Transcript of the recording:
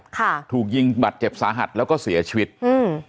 ค่ะถูกยิงบาดเจ็บสาหัสแล้วก็เสียชีวิตอืม